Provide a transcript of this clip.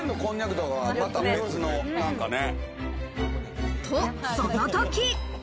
と、その時。